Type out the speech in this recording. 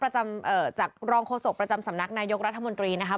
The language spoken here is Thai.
จากรองโฆษกประจำสำนักนายกรัฐมนตรีนะครับ